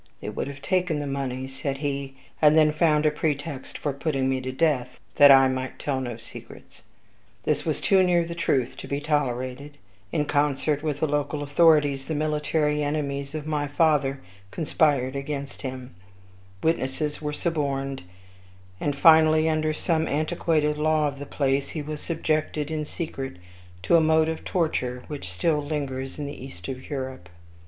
'They would have taken my money,' said he, 'and then found a pretext for putting me to death, that I might tell no secrets.' This was too near the truth to be tolerated; in concert with the local authorities, the military enemies of my father conspired against him witnesses were suborned; and, finally, under some antiquated law of the place, he was subjected, in secret, to a mode of torture which still lingers in the east of Europe.